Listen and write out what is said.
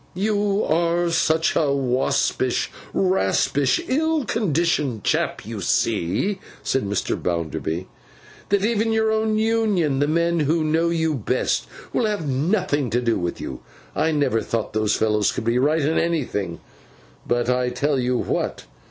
'You are such a waspish, raspish, ill conditioned chap, you see,' said Mr. Bounderby, 'that even your own Union, the men who know you best, will have nothing to do with you. I never thought those fellows could be right in anything; but I tell you what!